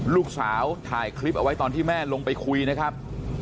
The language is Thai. ลูกสาวถ่ายคลิปเอาไว้ตอนที่แม่ลงไปคุยนะครับ